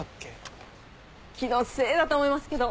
気のせいだと思いますけど。